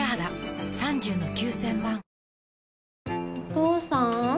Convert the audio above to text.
お父さん？